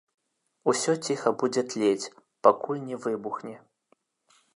Усё ціха будзе тлець, пакуль не выбухне.